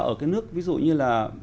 ở cái nước ví dụ như là